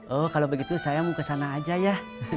oh kalau begitu saya mau ke sana aja ya